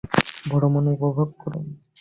ভ্রমন উপভোগ করুন।